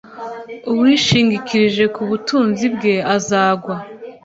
uwishingikirije ku butunzi bwe azagwa